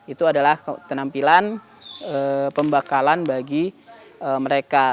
itu adalah ketenampilan pembakalan bagi mereka